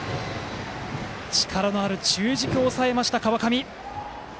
力のある中軸を抑えました川上。